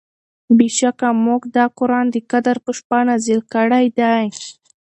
بېشکه مونږ دا قرآن د قدر په شپه نازل کړی دی